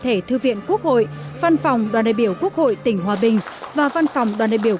thể thư viện quốc hội văn phòng đoàn đại biểu quốc hội tỉnh hòa bình và văn phòng đoàn đại biểu